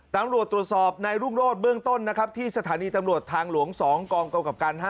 ตำรวจตรวจสอบนายรุ่งโรธเบื้องต้นนะครับที่สถานีตำรวจทางหลวง๒กองกำกับการ๕